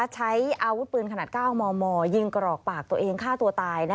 ใช้อาวุธปืนขนาด๙มมยิงกรอกปากตัวเองฆ่าตัวตาย